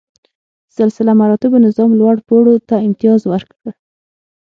سلسله مراتبو نظام لوړ پوړو ته امتیاز ورکړ.